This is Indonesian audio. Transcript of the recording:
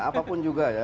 apapun juga ya